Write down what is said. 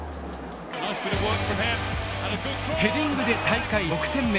ヘディングで大会６点目。